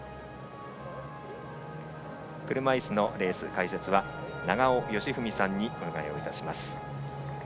車いすのレース解説は永尾嘉章さんにお願いしております。